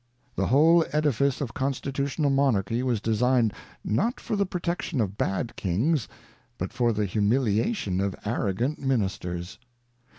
The whole edifice of constitutional monarchy was designed not for the pro tection of bad kings, but for the humiliation of arrogant ministers.